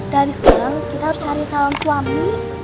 dari sekarang kita harus cari calon suami